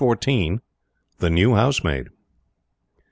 THE NEW HOUSEMAID.